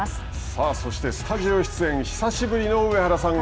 さあ、そしてスタジオ出演、久しぶりの上原さん。